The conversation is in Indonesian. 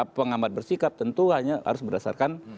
pengamat bersikap tentu hanya harus berdasarkan